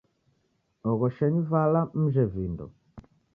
Oghoshenyi vala mjhe vindo.